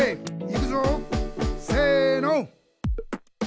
いくぞせの！